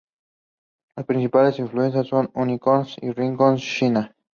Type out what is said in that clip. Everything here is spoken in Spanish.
Sus principales influencias son Unicorn y Ringo Shiina.